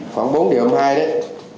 khoảng bốn điều hai đấy